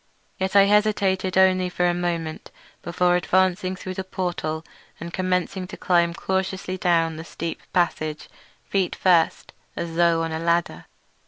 Yet I hesitated only a moment before advancing through the portal and commencing to climb cautiously down the steep passage, feet first, as though on a ladder.